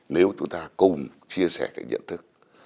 nếu chúng ta cùng chia sẻ cái nhận thức